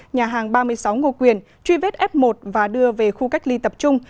nhà hàng ba mươi sáu ngô quyền truy vết f một và đưa về khu cách ly tập trung